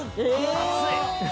熱い！